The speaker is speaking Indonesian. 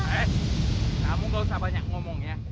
bahwa bapak menurut laporan warga